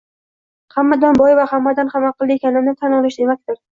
hammadan boy va hammadan ham aqlli ekanimni tan olish demakdir.